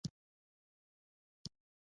درناوی د انساني اړیکو اساسي اصل دی.